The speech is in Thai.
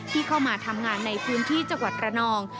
ที่เข้ามาทำงานในพื้นที่จังหวัดระนอง